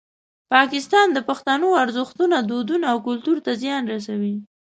پاکستان د پښتنو ارزښتونه، دودونه او کلتور ته زیان رسوي.